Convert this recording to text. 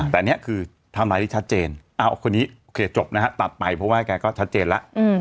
แต่นี้คือทำลายที่ชัดเจนโอเคจบนะครับตัดใหม่เพราะว่าแกก็ชัดเจนละ